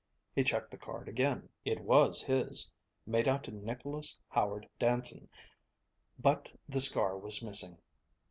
He checked the card again. It was his, made out to Nicholas Howard Danson; but the scar was missing.